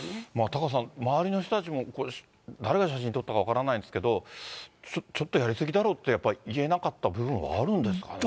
タカさん、周りの人たちも誰が写真撮ったか分からないんですけど、ちょっとやり過ぎだろうって、言えなかった部分はあるんですかね。